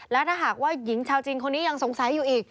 และถ้าหากว่าหญิงชาวจีนคนนี้ยังสงสัยอยู่อีก